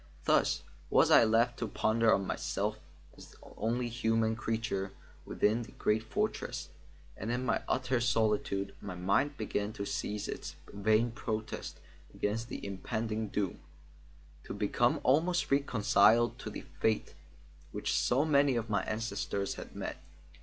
Thus was I left to ponder on myself as the only human creature within the great fortress, and in my utter solitude my mind began to cease its vain protest against the impending doom, to become almost reconciled to the fate which so many of my ancestors had met.